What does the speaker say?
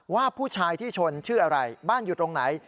ว่าผู้ชายที่ชนชื่ออะไรบ้านอยู่ตรงไหน